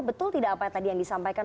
betul tidak apa yang tadi yang disampaikan